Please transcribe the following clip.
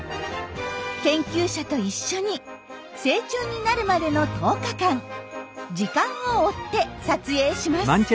研究者と一緒に成虫になるまでの１０日間時間を追って撮影します。